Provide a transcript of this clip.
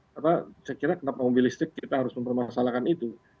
karena saya kira kenapa mobil listrik kita harus mempermasalahkan itu